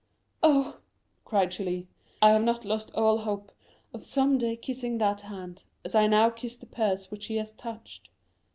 "Oh," cried Julie, "I have not lost all hope of some day kissing that hand, as I now kiss the purse which he has touched.